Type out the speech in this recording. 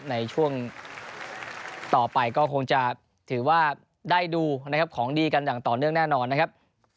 ในช่วงต่อไปก็คงจะถือว่าได้ดูนะครับของดีกันอย่างต่อเนื่องแน่นอนนะครับ